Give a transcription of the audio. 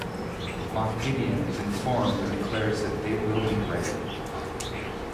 Moff Gideon is informed and declares that they will be ready.